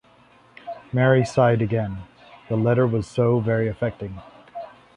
Mary sighed again — the letter was so very affecting.